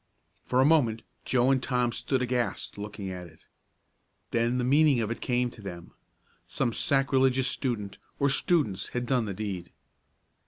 For a moment Joe and Tom stood aghast, looking at it. Then the meaning of it came to them. Some sacrilegious student, or students, had done the deed.